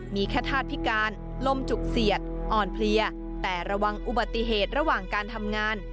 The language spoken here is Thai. มีแค่ธาตุพิการลมจุกเสียดอ่อนเพลียแต่ระวังอุบัติเหตุระหว่างการทำงาน